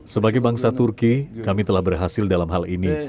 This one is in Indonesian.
sebagai bangsa turki kami telah berhasil dalam hal ini